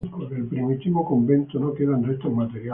Del primitivo convento no quedan restos materiales.